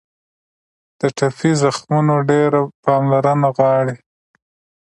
د ټپي زخمونه ډېره پاملرنه غواړي.